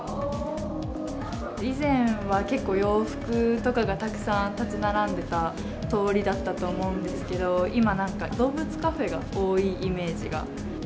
以前は、結構洋服とかがたくさん建ち並んでた通りだったと思うんですけれども、今なんか、動物カフェが多いイメージが。